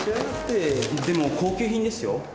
でも高級品ですよ。